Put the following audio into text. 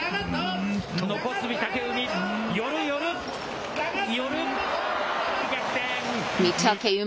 残す御嶽海。